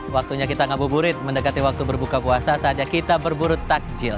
waktunya kita ngabuburit mendekati waktu berbuka puasa saatnya kita berburut takjil